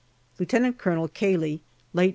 Lieutenant Colonel Cayley, late O.